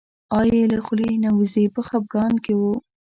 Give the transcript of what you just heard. آه یې له خولې نه وځي په خپګان کې و.